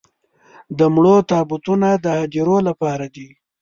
د مړو تابوتونه د هديرو لپاره دي.